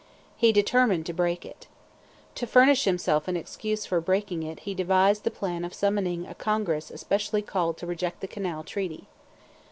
He determined to break it. To furnish himself an excuse for breaking it he devised the plan of summoning a Congress especially called to reject the canal treaty.